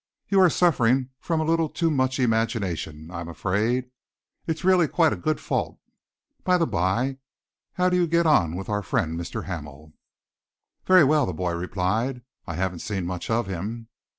You are suffering from a little too much imagination, I am afraid. It is really quite a good fault. By the by, how do you get on with our friend Mr. Hamel?" "Very well," the boy replied. "I haven't seen much of him."